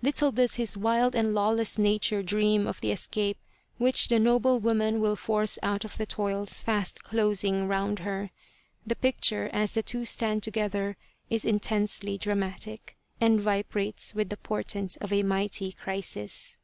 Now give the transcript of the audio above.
Little does his wild and lawless nature dream of the escape which the noble woman will force out of the The Tragedy of Kesa Gozen toils fast closing round her. The picture as the two stand together is intensely dramatic, and vibrates with the portent of a mighty crisis.